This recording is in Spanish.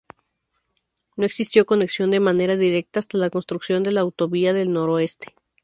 No existió conexión de manera directa hasta la construcción de la Autovía del Noroeste.